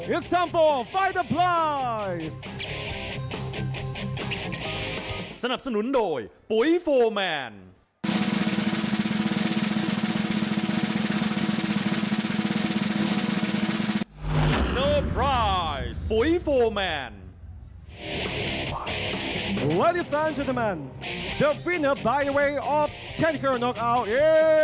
ทุกคนครับที่จะพลิกกับแทนทิคออน์นอกอาว์คือ